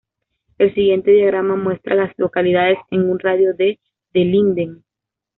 El siguiente diagrama muestra a las localidades en un radio de de Linden.